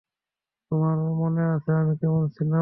তোমার মনে আছে আমি কেমন ছিলাম?